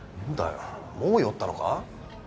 もう酔ったのか？